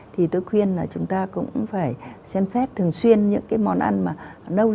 thì tôi khuyên là chúng ta cũng phải xem xét thường xuyên những cái món ăn mà đâu chúng ta không dùng đến